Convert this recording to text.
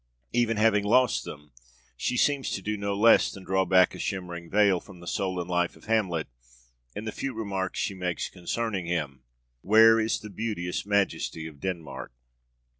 Even having lost them, she seems to do no less than draw back a shimmering veil from the soul and life of Hamlet in the few remarks she makes concerning him: 'Where is the beauteous majesty of Denmark?'